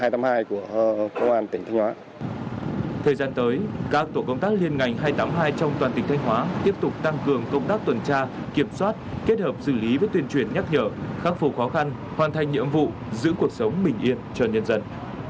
thời gian tới các tổ công tác liên ngành hai trăm tám mươi hai trong toàn tỉnh thanh hóa tiếp tục tăng cường công tác tuần tra kiểm soát kết hợp xử lý với tuyên truyền nhắc nhở khắc phục khó khăn hoàn thành nhiệm vụ giữ cuộc sống bình yên cho nhân dân